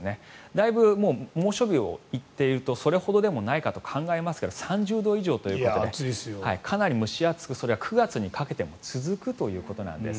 だいぶ猛暑日をいっているとそれほどでもないかと考えますが３０度以上ということでかなり蒸し暑くそれが９月にかけても続くということなんです。